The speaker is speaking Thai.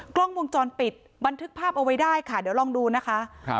กล้องวงจรปิดบันทึกภาพเอาไว้ได้ค่ะเดี๋ยวลองดูนะคะครับ